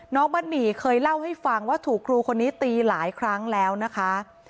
มัดหมี่เคยเล่าให้ฟังว่าถูกครูคนนี้ตีหลายครั้งแล้วนะคะ